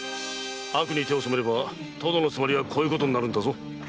悪に手を染めればとどのつまりはこうなるんだぞ。